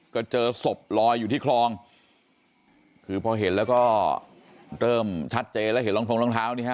ก็เจอศพลอยอยู่ที่คลองคือพอเห็นแล้วก็เริ่มชัดเจนแล้วเห็นรองทงรองเท้านี่ฮะ